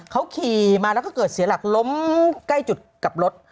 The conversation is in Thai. เขาขี่มาแล้วก็เกิดเสียหลักล้มใกล้จุดกับรถ